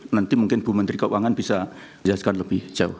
nanti mungkin bu menteri keuangan bisa menjelaskan lebih jauh